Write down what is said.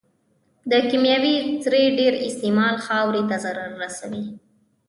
د کيمياوي سرې ډېر استعمال خاورې ته ضرر رسوي.